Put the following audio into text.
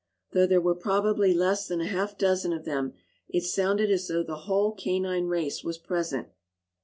Though there were probably less than a half dozen of them, it sounded as though the whole canine race was present.